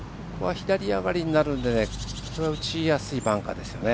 左上がりになるので打ちやすいバンカーですよね。